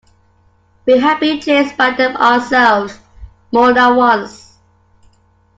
We had been chased by them ourselves, more than once.